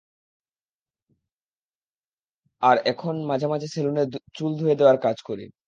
আর এখন আমি মাঝে মাঝে সেলুনে চুল ধুয়ে দেওয়ার কাজ করি।